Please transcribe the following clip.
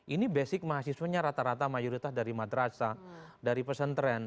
ini basic mahasiswanya rata rata mayoritas dari madrasah dari pesantren